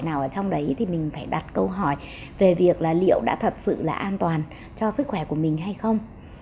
nào ở trong đấy thì mình phải đặt câu hỏi về việc là liệu đã thật sự là an toàn cho sức khỏe của mình hay không